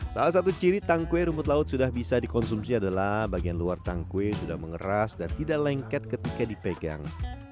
salah satu ciri tangkwe rumput laut sudah bisa dikonsumsi adalah bagian luar tangkwe sudah mengeras dan tidak lengket ketika dipegang